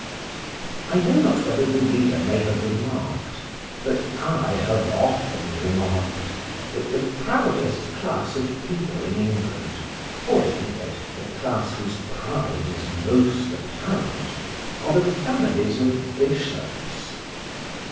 I know not whether my reader may have remarked, but I have often remarked, that the proudest class of people in England (or at any rate the class whose pride is most apparent) are the families of bishops.